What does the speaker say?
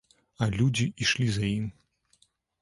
А людзі ішлі за ім.